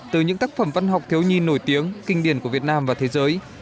từ những tác phẩm văn học thiếu nhi nổi tiếng kinh điển của việt nam và thế giới